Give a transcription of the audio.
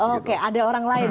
oke ada orang lain